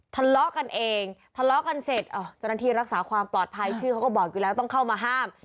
ทะเลาะกันเองทะเลาะกันเสร็จเจ้าหน้าที่รักษาความปลอดภัยชื่อเขาก็บอกอยู่แล้วต้องเข้ามาห้าม